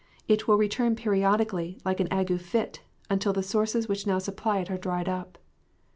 It will return periodically, like an ague fit, until the sources which now supply it are dried up.